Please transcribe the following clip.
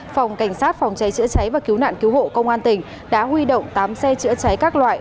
phòng cảnh sát phòng cháy chữa cháy và cứu nạn cứu hộ công an tỉnh đã huy động tám xe chữa cháy các loại